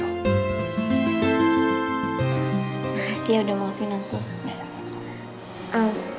makasih ya udah maafin aku